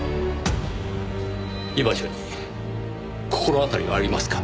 居場所に心当たりはありますか？